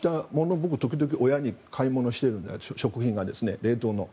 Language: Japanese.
僕、時々、親に買い物しているので食品が冷凍の。